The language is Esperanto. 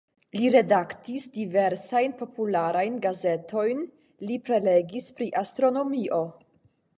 Li redaktis diversajn popularajn gazetojn, li prelegis pri astronomio.